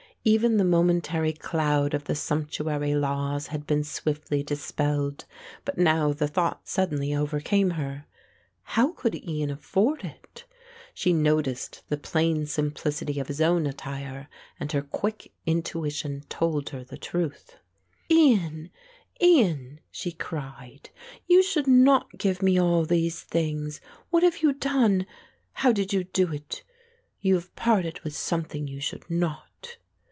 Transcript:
Even the momentary cloud of the "sumptuary laws" had been swiftly dispelled; but now the thought suddenly overcame her; "How could Ian afford it?" She noticed the plain simplicity of his own attire and her quick intuition told her the truth. "Ian, Ian," she cried, "you should not give me all these things. What have you done? How did you do it? You have parted with something you should not."